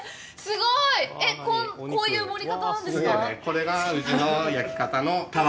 すごい！えっ、こういう盛り方なんですか！？